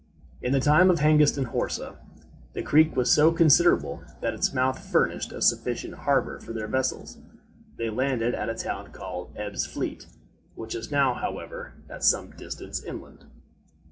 In the time of Hengist and Horsa the creek was so considerable that its mouth furnished a sufficient harbor for their vessels. They landed at a town called Ebbs fleet, which is now, however, at some distance inland.